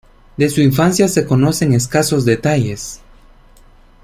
De su infancia se conocen escasos detalles.